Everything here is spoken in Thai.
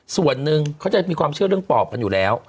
ส่วนหนึ่งเขาจะมีความเชื่อเรื่องปอบกันอยู่แล้ว